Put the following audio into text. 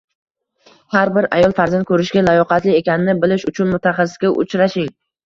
Har bir ayol farzand ko‘rishga layoqatli ekanini bilish uchun mutaxassisga uchrashing.